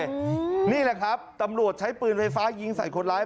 นี่แหละครับนี่แหละครับตำรวจใช้ปืนไฟฟ้ายิงใส่คนร้าย